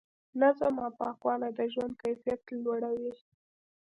نظم او پاکوالی د ژوند کیفیت لوړوي.